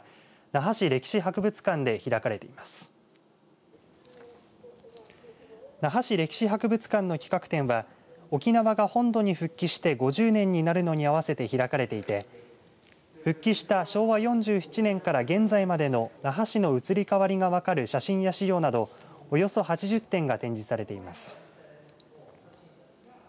那覇市歴史博物館の企画展は沖縄が本土に復帰して５０年になるのに合わせて開かれていて復帰した昭和４７年から現在までの那覇市の移り変わりが分かる写真や資料などおよそ８０点が展示されています。